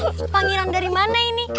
ini pangeran dari mana ini